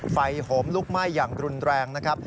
โหมลุกไหม้อย่างรุนแรงนะครับ